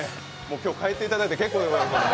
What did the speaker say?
今日帰っていただいて結構でございます。